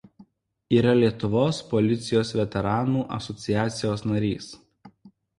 Yra Lietuvos policijos veteranų asociacijos narys.